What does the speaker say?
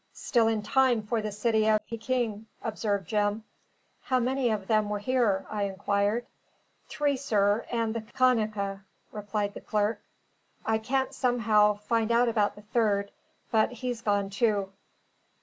"Still in time for the City of Pekin," observed Jim. "How many of them were here?" I inquired. "Three, sir, and the Kanaka," replied the clerk. "I can't somehow fin out about the third, but he's gone too."